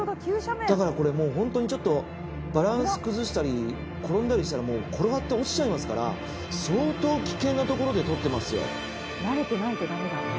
だからこれもうホントにちょっとバランス崩したり転んだりしたら転がって落ちちゃいますから相当危険な所でとってますよ。